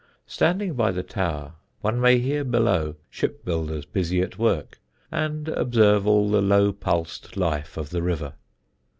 Standing by the tower one may hear below shipbuilders busy at work and observe all the low pulsed life of the river.